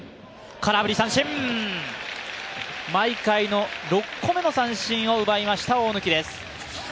毎回の６個目の三振を奪いました大貫です。